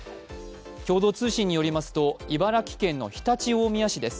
共同通信によりますと、茨城県常陸大宮市です。